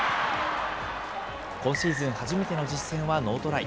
今シーズン初めての実戦はノートライ。